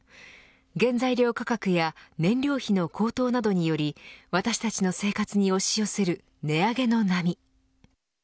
原材料価格や燃料費の高騰などを理由に私たちの生活に押し寄せる値上げの波。